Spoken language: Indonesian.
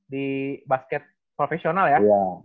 di basket profesional ya